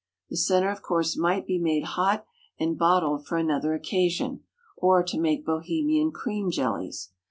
The centre, of course, might be made hot and bottled for another occasion, or to make Bohemian cream jellies.